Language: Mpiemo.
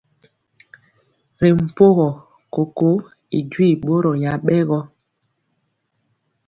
Ri mpogɔ koko y duii bɔro nyabɛgɔ.